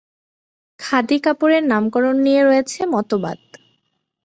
খাদি কাপড়ের নামকরণ নিয়ে রয়েছে মতবাদ।